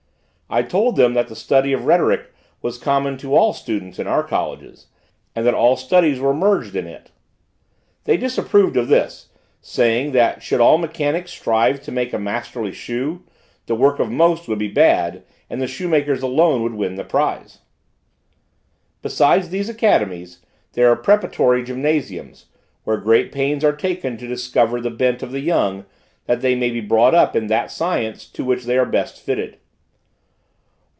I told them that the study of rhetoric was common to all students in our colleges, and that all studies were merged in it. They disapproved of this, saying, that should all mechanics strive to make a masterly shoe, the work of most would be bad, and the shoemakers alone would win the prize. Besides these academies, there are preparatory gymnasiums, where great pains are taken to discover the bent of the young, that they may be brought up in that science to which they are best fitted.